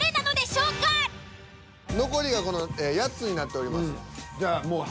残りがこの８つになっております。